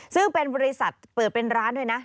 ซึ่งเป็นบริษัทเปิดเป็นร้านด้วยนะ